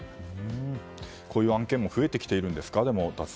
こういう案件も増えてきているんですか？